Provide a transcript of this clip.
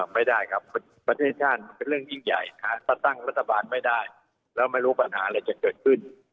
แปลประเทศชาติเป็นเรื่องยิ่งใหญ่พระตั้งรัฐบาลไม่ได้แล้วไม่รู้ปัญหาจะเกิดขึ้น